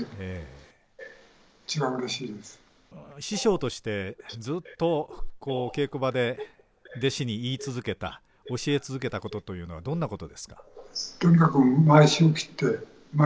師匠としてずっと稽古場で弟子に言い続けた教え続けたことというのはどんなことですか？